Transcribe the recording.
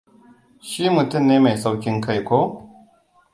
Shi mutum ne mai sauƙin kai, ko.